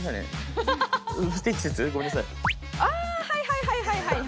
はいはいはいはい。